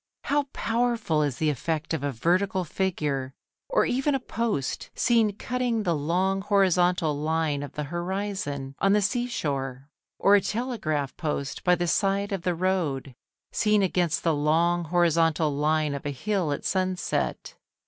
How powerful is the effect of a vertical figure, or even a post, seen cutting the long horizontal line of the horizon on the sea shore. Or a telegraph post by the side of the road, seen against the long horizontal line of a hill at sunset.